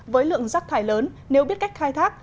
với lượng rác thải lớn nếu biết cách khai thác